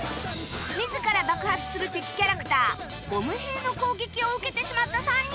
自ら爆発する敵キャラクターボムへいの攻撃を受けてしまった３人